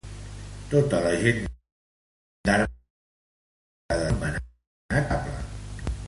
Tota la gent d'armes era comandada directament per l'anomenat conestable.